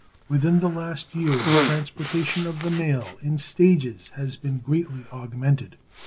Within the last year the transportation of the mail in stages has been greatly augmented.